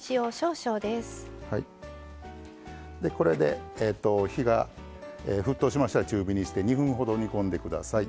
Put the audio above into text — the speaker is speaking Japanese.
でこれで火が沸騰しましたら中火にして２分ほど煮込んでください。